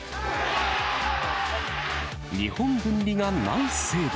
日本文理がナイスセーブ。